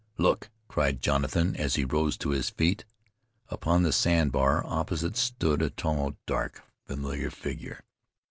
"Look!" cried Jonathan as he rose to his feet. Upon the sand bar opposite stood a tall, dark, familiar figure.